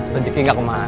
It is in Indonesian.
rejeki nggak ke mana